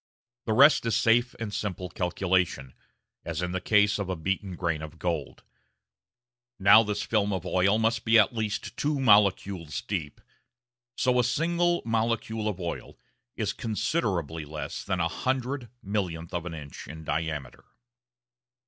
The rest is safe and simple calculation, as in the case of the beaten grain of gold. Now this film of oil must have been at least two molecules deep, so a single molecule of oil is considerably less than a hundred millionth of an inch in diameter.